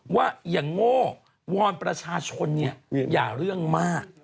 ว่าอย่างโง่วอนประชาชนเนี่ยอย่าเรื่องมาก